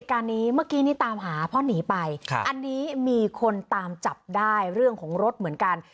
การนี้เมื่อกี้นี่ตามหาเพราะหนีไปอันนี้มีคนตามจับได้เรื่องของรถเหมือนกัน